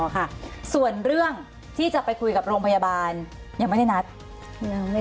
ค่ะส่วนเรื่องที่จะไปคุยกับโรงพยาบาลยังไม่ได้นัด